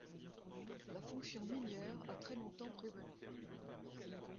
La fonction minière a très longtemps prévalu.